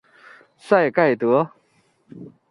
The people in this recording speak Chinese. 赛盖德。